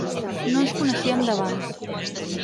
No ens coneixíem d’abans.